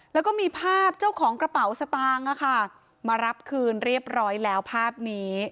แล้วก็มีภาพเจ้าของกระเป๋าสตางค์มารับคืนเรียบร้อยแล้วภาพนี้